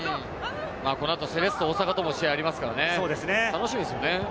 この後、セレッソ大阪とも試合がありますからね、楽しみですよね。